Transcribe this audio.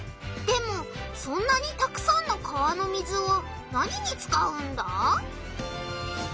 でもそんなにたくさんの川の水を何に使うんだ？